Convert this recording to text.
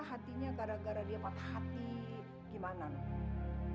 hatinya gara gara dia patah hati gimana nih